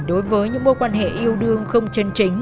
đối với những mối quan hệ yêu đương không chân chính